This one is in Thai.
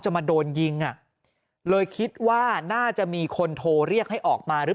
มาโดนยิงอ่ะเลยคิดว่าน่าจะมีคนโทรเรียกให้ออกมาหรือ